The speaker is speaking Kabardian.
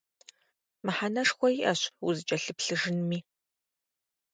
Мыхьэнэшхуэ иӀэщ узыкӀэлъыплъыжынми.